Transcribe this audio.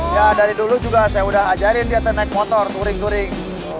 ya dari dulu juga saya udah ajarin dia tuh naik motor turing kuring